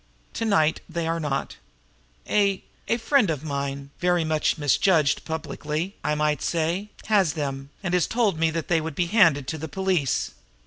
To night they are not. A a friend of mine, one very much misjudged publicly, I might say, has them, and has told me they would be handed to the police.